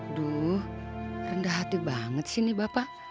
aduh rendah hati banget sih nih bapak